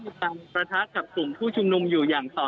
เหลือเพียงกลุ่มเจ้าหน้าที่ตอนนี้ได้ทำการแตกกลุ่มออกมาแล้วนะครับ